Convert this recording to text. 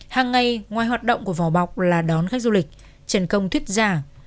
hàng ngày ngoài hoạt động của vò bọc là đón khách du lịch trần công thuyết giảng